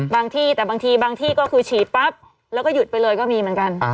ที่แต่บางทีบางที่ก็คือฉีดปั๊บแล้วก็หยุดไปเลยก็มีเหมือนกัน